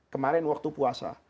kemarin waktu puasa